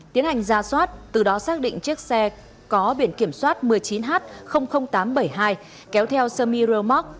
tiến hành ra soát từ đó xác định chiếc xe có biển kiểm soát một mươi chín h tám trăm bảy mươi hai kéo theo samiro max